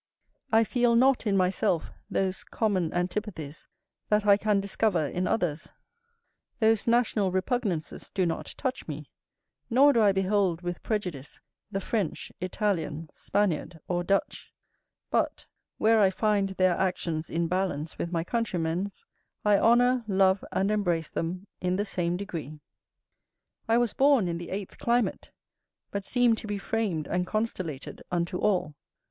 I feel not in myself those common antipathies that I can discover in others: those national repugnances do not touch me, nor do I behold with prejudice the French, Italian, Spaniard, or Dutch; but, where I find their actions in balance with my countrymen's, I honour, love, and embrace them, in the same degree. I was born in the eighth climate, but seem to be framed and constellated unto all.